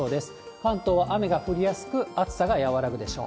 関東は雨が降りやすく、暑さが和らぐでしょう。